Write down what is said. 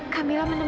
kak mila menemui